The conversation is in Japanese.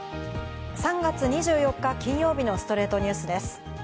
３月２４日、金曜日の『ストレイトニュース』です。